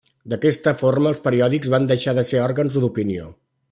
D'aquesta forma els periòdics van deixar de ser òrgans d'opinió.